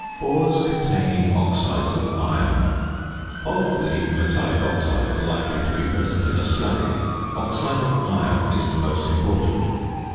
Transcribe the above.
~Ores containing Oxides of Iron.~ Of the metallic oxides likely to be present in a slag, oxide of iron is the most important.